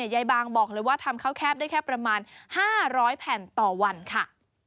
ยายบางบอกเลยว่าทำข้าวแคบได้แค่ประมาณ๕๐๐แผ่นต่อวันค่ะ